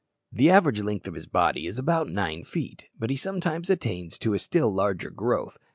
The average length of his body is about nine feet, but he sometimes attains to a still larger growth.